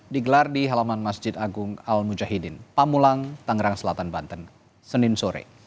digelar di halaman masjid agung al mujahidin pamulang tangerang selatan banten senin sore